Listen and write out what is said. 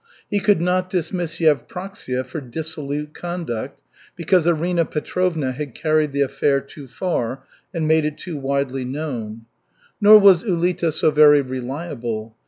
He could not dismiss Yevpraksia for dissolute conduct, because Arina Petrovna had carried the affair too far and made it too widely known. Nor was Ulita so very reliable.